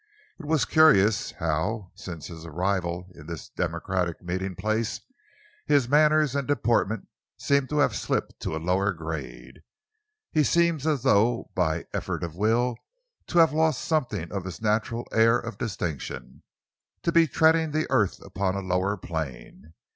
It was curious how, since his arrival in this democratic meeting place, his manners and deportment seemed to have slipped to a lower grade. He seemed as though by an effort of will to have lost something of his natural air of distinction, to be treading the earth upon a lower plane.